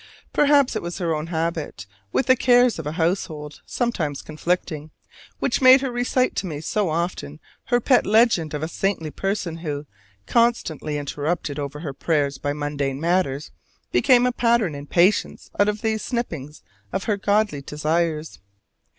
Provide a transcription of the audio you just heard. Perhaps it was her own habit, with the cares of a household sometimes conflicting, which made her recite to me so often her pet legend of a saintly person who, constantly interrupted over her prayers by mundane matters, became a pattern in patience out of these snippings of her godly desires.